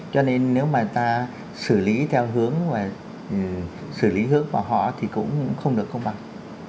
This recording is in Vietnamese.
cho nên nếu mà ta xử lý theo hướng xử lý hướng của họ thì cũng không được công bằng